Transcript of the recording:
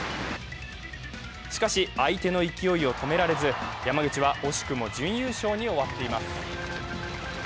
しかし、相手の勢いを止められず、山口は惜しくも準優勝に終わっています。